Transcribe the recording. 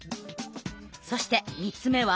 そして３つ目は。